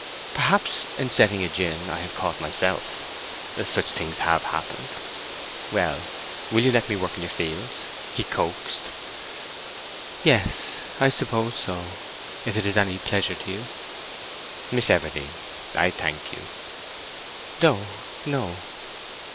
"Perhaps in setting a gin, I have caught myself. Such things have happened. Well, will you let me work in your fields?" he coaxed. "Yes, I suppose so; if it is any pleasure to you." "Miss Everdene, I thank you." "No, no."